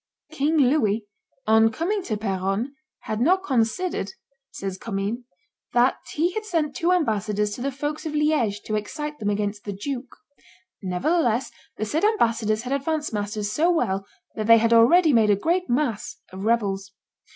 "King Louis, on coming to Peronne, had not considered," says Commynes, "that he had sent two ambassadors to the folks of Liege to excite them against the duke. Nevertheless, the said ambassadors had advanced matters so well that they had already made a great mass (of rebels).